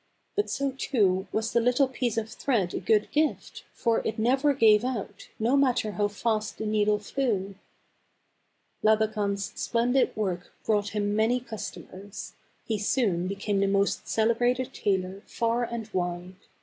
But so too was the little piece of thread a good gift, for it never gave out, no matter how fast the needle flew. THE GAB AVAN. 221 Labakan's splendid work brought him many customers. He soon became the most celebrated tailor, far and wide.